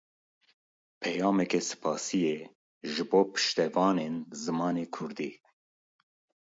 Peyameke spasiyê ji bo piştevevanên zimanê kurdî.